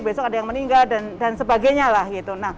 besok ada yang meninggal dan sebagainya lah gitu